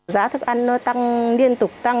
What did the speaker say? giá thức ăn nó tăng liên tục tăng